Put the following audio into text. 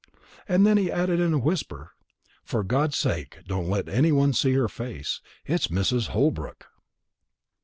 And then he added in a whisper, "For God's sake, don't let any one see her face! it's Mrs. Holbrook."